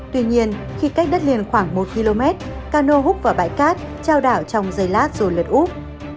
tuy nhiên khi cách đất liền khoảng một km cano hút vào bãi cát trao đảo trong dây lát rồi lật úp